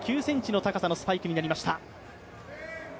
２ｍ７９ｃｍの高さのスパイクになりました。